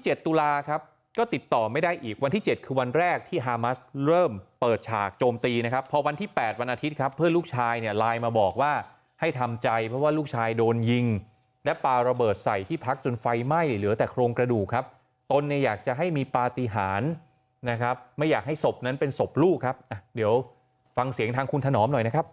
หากโจมตีนะครับพอวันที่แปดวันอาทิตย์ครับเพื่อนลูกชายเนี่ยไลน์มาบอกว่าให้ทำใจเพราะว่าลูกชายโดนยิงและปาระเบิดใส่ที่พักจนไฟไหม้เหลือแต่โครงกระดูกครับตนเนี่ยอยากจะให้มีปาติหารนะครับไม่อยากให้ศพนั้นเป็นศพลูกครับอ่ะเดี๋ยวฟังเสียงทางคุณถนอมหน่อยนะครับ